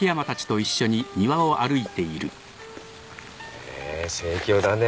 へえ盛況だね。